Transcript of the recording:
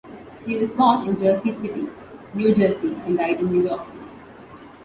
He was born in Jersey City, New Jersey and died in New York City.